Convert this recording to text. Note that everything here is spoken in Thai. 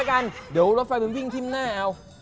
เอาอย่างงี้กันเดี๋ยวรถไฟมันพิ้งถึงท่ีมาหน้าเอา